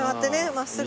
真っすぐ。